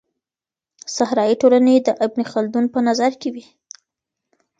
صحرايي ټولني د ابن خلدون په نظر کي وې.